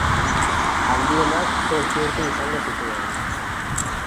Handienak zortzi urte izango zituen.